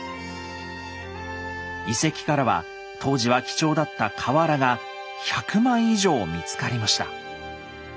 遺跡からは当時は貴重だった瓦が１００枚以上見つかりました。